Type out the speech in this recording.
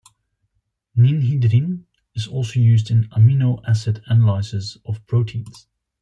Ninhydrin is also used in amino acid analysis of proteins.